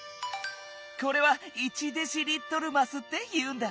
これは「１デシリットルます」っていうんだ。